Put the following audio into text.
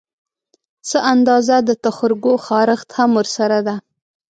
څه اندازه د تخرګو خارښت هم ورسره ده